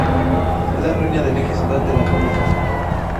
Es la reina el eje central de la crónica.